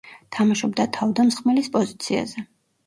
თამაშობდა თავდამსხმელის პოზიციაზე.